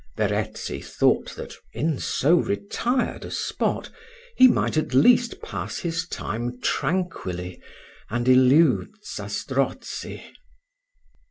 Verezzi thought that, in so retired a spot, he might at least pass his time tranquilly, and elude Zastrozzi.